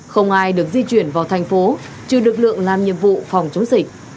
không ai được di chuyển vào thành phố trừ lực lượng làm nhiệm vụ phòng chống dịch